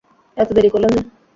এতো দেরি করলেন যে?